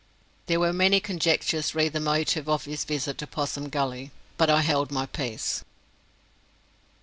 There were many conjectures re the motive of his visit to Possum Gully, but I held my peace.